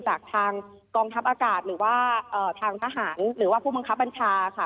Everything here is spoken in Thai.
จากทางกองทัพอากาศหรือว่าทางทหารหรือว่าผู้บังคับบัญชาค่ะ